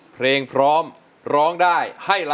เพลงแรกของเจ้าเอ๋ง